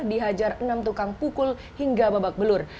dihajar enam tukang pukul hingga babak belur